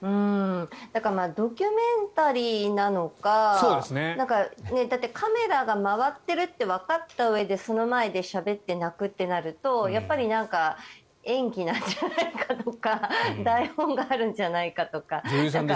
ドキュメンタリーなのかだってカメラが回ってるってわかったうえでその前でしゃべって泣くってなるとやっぱり演技なんじゃないかなとか女優さんですし。